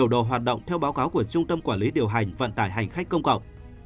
đây là báo cáo của trung tâm quản lý điều hành vận tải hành khách công cộng